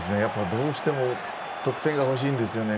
どうしても得点が欲しんですよね。